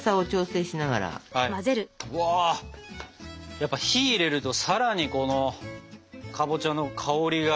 やっぱ火入れるとさらにこのかぼちゃの香りが。